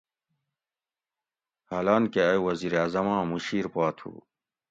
حالانکہ ائ وزیر اعظماں مُشیر پا تھو